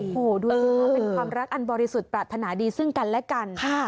เป็นความรักอันบริสุทธิ์ปรารถนาดีซึ่งกันและกัน